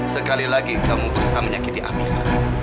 sekali lagi kamu berusaha menyakiti allah